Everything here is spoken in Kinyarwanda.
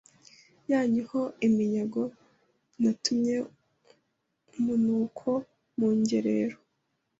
yanyu ho iminyago natumye umunuko mu ngerero